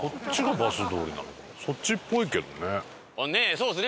そうですね